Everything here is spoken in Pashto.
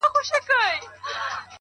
علم د پرمختګ لاره روښانه کوي,